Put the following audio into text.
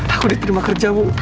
aku diterima kerja bu